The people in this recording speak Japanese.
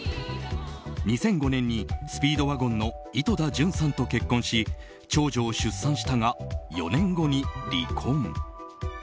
２００５年にスピードワゴンの井戸田潤さんと結婚し長女を出産したが４年後に離婚。